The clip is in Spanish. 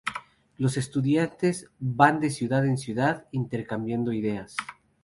Los estudiantes van de ciudad en ciudad intercambiando ideas.